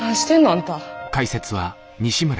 あんた。